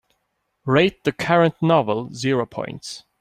rate the current novel zero points